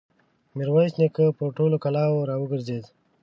ميرويس نيکه پر ټولو کلاوو را وګرځېد.